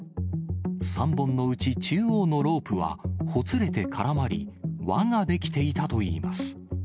３本のうち、中央のロープは、ほつれて絡まり、輪が出来ていたといいます。